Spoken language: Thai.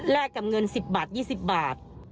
กับเงิน๑๐บาท๒๐บาท